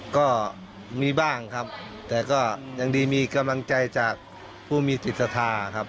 ก็มีบ้างครับแต่ก็ยังดีมีกำลังใจจากผู้มีจิตศรัทธาครับ